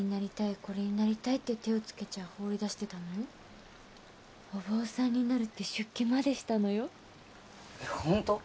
これになりたいって手をつけちゃ放り出してたのよお坊さんになるって出家までしたのよホント？